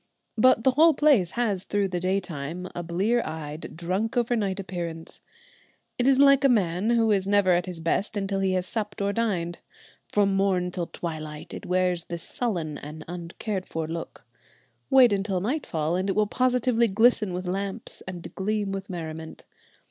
But the whole place has through the day time a blear eyed, a drunk over night appearance. It is like a man who is never at his best until he has supped or dined. From morn till twilight it wears this sullen and uncared for look. Wait until nightfall, and it will positively glisten with lamps and gleam with merriment.